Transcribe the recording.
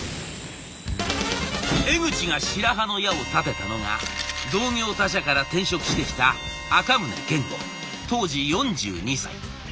江口が白羽の矢を立てたのが同業他社から転職してきた赤宗健吾当時４２歳。